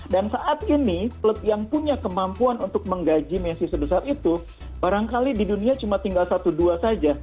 dan saat ini klub yang punya kemampuan untuk menggaji messi sebesar itu barangkali di dunia cuma tinggal satu dua saja